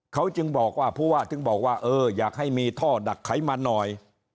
เขาจึงบอกว่าผู้ว่าถึงบอกว่าเอออยากให้มีท่อดักไขมันหน่อย